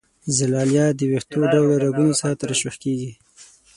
زلالیه د وېښته ډوله رګونو څخه ترشح کیږي.